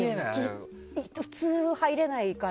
普通に入れないから。